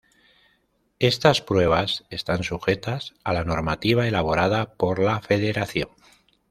Estas pruebas están sujetas a la normativa elaborada por la Federación.